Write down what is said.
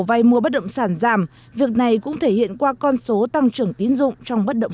vay mua bất động sản giảm việc này cũng thể hiện qua con số tăng trưởng tiến dụng trong bất động